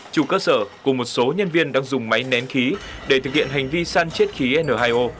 chủ cơ sở cùng một số nhân viên đang dùng máy nén khí để thực hiện hành vi săn chiết khí n hai o